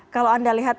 kalau anda lihat